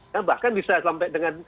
nah bahkan bisa sampai dengan